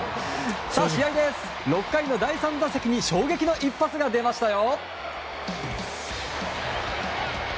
試合は６回の第３打席に衝撃の一発が出ましたよ。